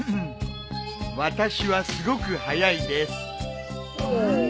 私はすごくはやいです。